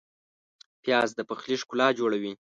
پیاز د پخلي ښکلا جوړوي